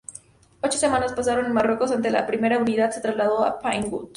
Ocho semanas pasaron en Marruecos antes de la primera unidad se trasladó a Pinewood.